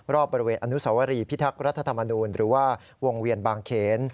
รอบบริเวณอนุสวรีพิทักษ์รัฐธรรมนูลหรือว่าวงเวียนบางเขน